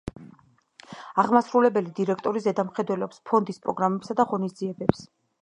აღმასრულებელი დირექტორი ზედამხედველობს ფონდის პროგრამებსა და ღონისძიებებს.